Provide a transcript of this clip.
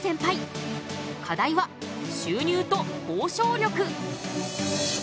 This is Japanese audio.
課題は「収入と交渉力」。